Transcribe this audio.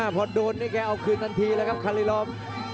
พอโดนนี่แกเอาคืนทันทีแล้วครับคารีลอม